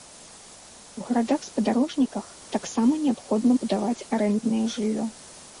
У гарадах-спадарожніках таксама неабходна будаваць арэнднае жыллё.